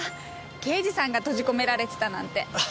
刑事さんが閉じ込められてたなんて。